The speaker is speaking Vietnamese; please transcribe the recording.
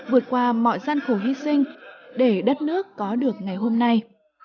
vượt qua mọi gian khổ hy sinh để đất nước có được ngày hôm nay